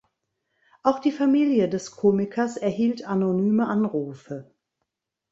Auch die Familie des Komikers erhielt anonyme Anrufe.